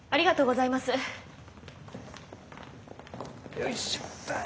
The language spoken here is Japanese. よいしょっと。